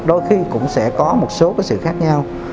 đôi khi cũng sẽ có một số sự khác nhau